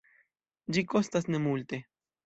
Ĝi kostas nemulte.